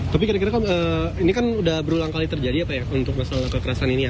tapi kira kira ini kan udah berulang kali terjadi ya pak ya untuk masalah kekerasan ini ya